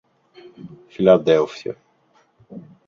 Filadélfia